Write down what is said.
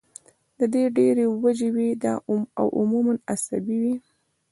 د دې ډېرې وجې وي او عموماً اعصابي وي